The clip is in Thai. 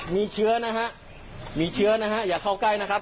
มีเชื้อนะฮะมีเชื้อนะฮะอย่าเข้าใกล้นะครับ